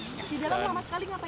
di dalam lama sekali ngapain pak